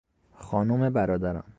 خانم برادرم